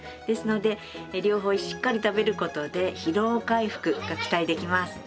ですので両方しっかり食べる事で疲労回復が期待できます。